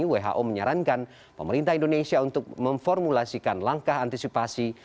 who menyarankan pemerintah indonesia untuk memformulasikan langkah antisipasi